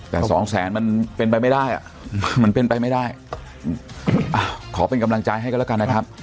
แต่สองแสนมันเป็นไปไม่ได้อ่ะมันเป็นไปไม่ได้อ่ะขอเป็นกำลังใจให้กันแล้วกันนะครับ